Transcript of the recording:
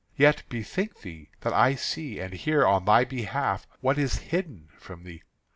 Yet bethink thee, that I see and hear on thy behalf what is hidden from thee.